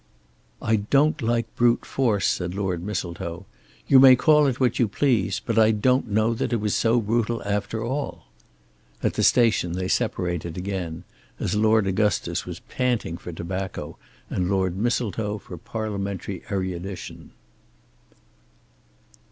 "I don't like brute force," said Lord Mistletoe. "You may call it what you please: but I don't know that it was so brutal after all." At the station they separated again, as Lord Augustus was panting for tobacco and Lord Mistletoe for parliamentary erudition.